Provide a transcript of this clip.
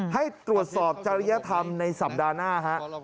ให้ตรวจสอบจริยธรรมในสัปดาห์หน้าฮะ